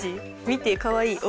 見てかわいい。